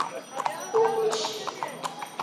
Kokloshi.